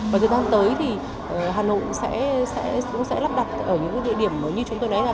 và thời gian tới thì hà nội sẽ lắp đặt ở những địa điểm như chúng tôi nói là